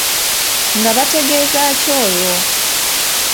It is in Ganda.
Nga bategeeza ki olwo?